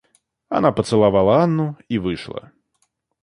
Она поцеловала Анну и вышла.